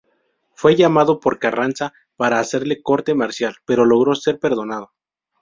Fue llamado por Carranza para hacerle corte marcial, pero logró ser perdonado.